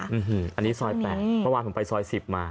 อันนี้ซอย๘เมื่อวานผมไปซอย๑๐มา